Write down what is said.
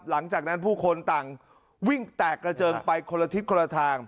หลังจากนั้นผู้คนต่างวิ่งแตกกระเจิงไปคนละทิศคนละทาง